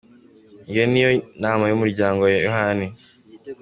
Iyo niyo nama y’umuryango wa Yohani.